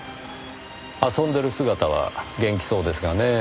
遊んでる姿は元気そうですがねぇ。